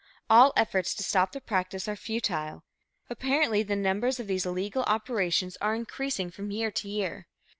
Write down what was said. All efforts to stop the practice are futile. Apparently, the numbers of these illegal operations are increasing from year to year.